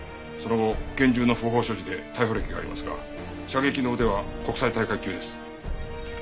その後拳銃の不法所持で逮捕歴がありますが射撃の腕は国際大会級です。